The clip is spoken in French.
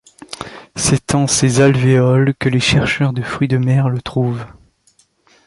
C’est en ces alvéoles que les chercheurs de fruits de mer le trouvent.